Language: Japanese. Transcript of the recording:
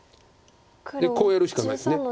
でこうやるしかないです。